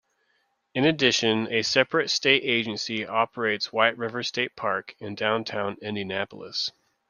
In addition, a separate state agency operates White River State Park in downtown Indianapolis.